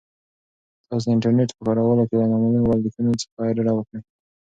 تاسو د انټرنیټ په کارولو کې له نامعلومو لینکونو څخه ډډه وکړئ.